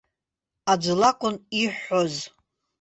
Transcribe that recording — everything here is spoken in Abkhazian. Аӡә лакәын иҳәҳәоз.